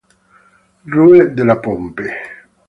Rue de la Pompe